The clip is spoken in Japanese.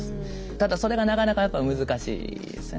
ただそれがなかなかやっぱり難しいですよね。